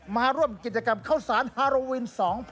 มาร่วมกิจกรรมเข้าสรรค์ฮาราวิน๒๐๑๘